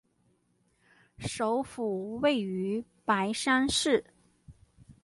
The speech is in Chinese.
首府位于白山市。